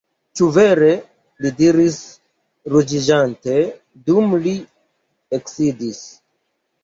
Ĉu vere? li diris ruĝiĝante, dum li eksidis.